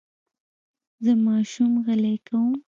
زه ماشوم غلی کوم.